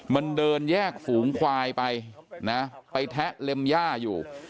มันเดินแยกฝูงควายไปนะไปแทะเล็มย่าอยู่